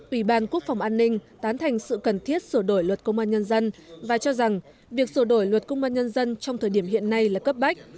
ủy ban quốc phòng an ninh tán thành sự cần thiết sửa đổi luật công an nhân dân và cho rằng việc sửa đổi luật công an nhân dân trong thời điểm hiện nay là cấp bách